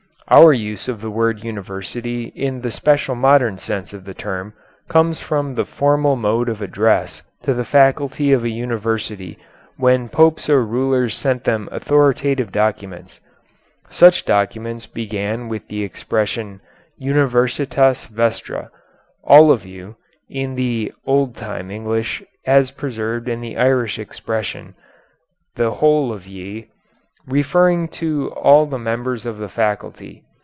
Our use of the word university in the special modern sense of the term comes from the formal mode of address to the faculty of a university when Popes or rulers sent them authoritative documents. Such documents began with the expression Universitas vestra, all of you (in the old time English, as preserved in the Irish expression, "the whole of ye"), referring to all the members of the faculty.